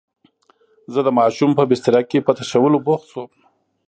زه د ماشوم په بستره کې په تشولو بوخت شوم.